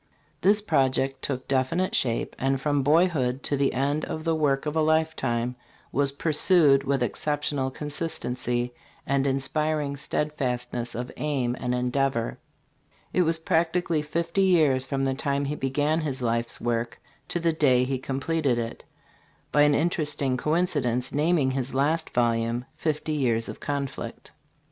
This project took definite shape, and from boyhood to the end the work of a lifetime was pursued with exceptional consistency and inspiring steadfastness of aim and endeavor. It was practically fifty years from the time he began his life's work to the day he completed it by an interesting coincidence naming his last volume, "Fifty Years of Conflict."